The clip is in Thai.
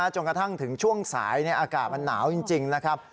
จนกระทั่งถึงช่วงสายอากาศมันหนาวจริงนะครับ